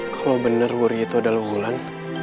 kalo bener wuri itu adalah wulan